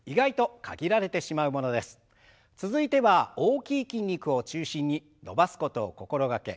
続いては大きい筋肉を中心に伸ばすことを心掛け